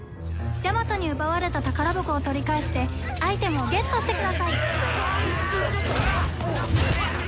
ジャマトに奪われた宝箱を取り返してアイテムをゲットしてください。